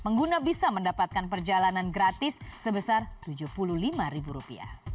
pengguna bisa mendapatkan perjalanan gratis sebesar rp tujuh puluh lima